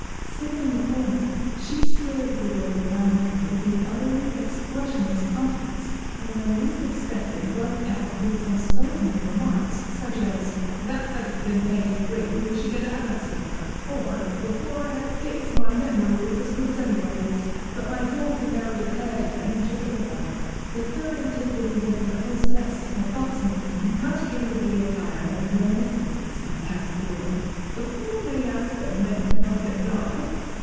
Sitting in the corner, she stared at the world around her with an utterly expressionless countenance, and when least expected broke out with some startling remark, such as, 'If that fence had been painted green we should get to heaven sooner,' or 'Before I had fits my memory was as good as anybody's, but my daughter married a clergyman, and took it with her.' The third antiquity was the hostess, a buxom lady, much given to gay attire and reminiscences of past glory, 'Before me 'usband went into public life.'